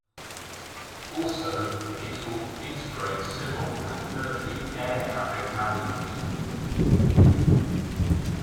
Also, it will integrate civil and military air traffic management.